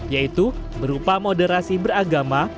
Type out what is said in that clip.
yaitu berupa moderasi beragama